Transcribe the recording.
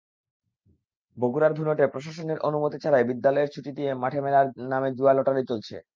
বগুড়ার ধুনটে প্রশাসনের অনুমতি ছাড়াই বিদ্যালয় ছুটি দিয়ে মাঠে মেলার নামে জুয়া-লটারি চলছে।